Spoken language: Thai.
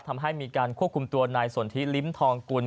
ทำให้มีการควบคุมตัวนายสนทิลิ้มทองกุล